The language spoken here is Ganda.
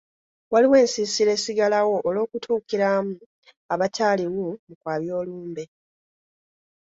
Waliwo ensiisira esigalawo olw’okutuukiramu abaataliwo mu kwabya olumbe.